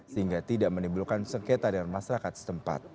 sehingga tidak menimbulkan sengketa dengan masyarakat setempat